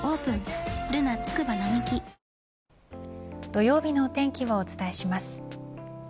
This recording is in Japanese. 土曜日のお天気をお伝えします。